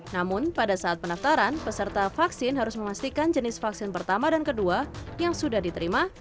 namun pada saat pendaftaran peserta vaksin harus memastikan jenis vaksin pertama dan kedua yang sudah diterima